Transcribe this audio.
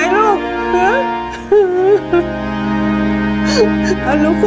โรค